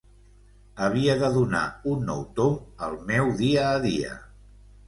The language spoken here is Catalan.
Havia de donar un nou tomb al meu dia a dia.